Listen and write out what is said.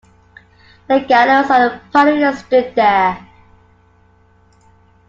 The gallows and the pillory stood there.